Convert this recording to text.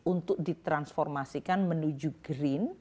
untuk ditransformasikan menuju green